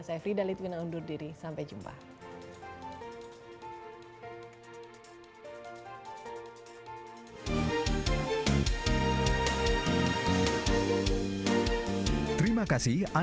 saya fridhali tugina undur diri sampai jumpa